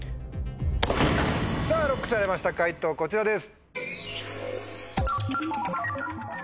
さぁＬＯＣＫされました解答こちらです。